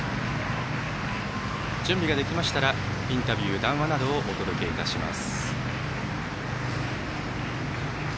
準備ができましたらインタビュー、談話などをお届けいたします。